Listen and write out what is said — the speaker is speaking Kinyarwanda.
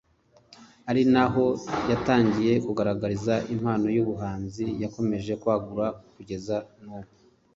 ari naho yatangiye kugaragariza impano y’ubuhanzi yakomeje kwagura kugeza n’ubu